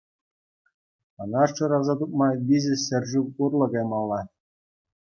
Ӑна шыраса тупма виҫӗ ҫӗршыв урлӑ каймалла.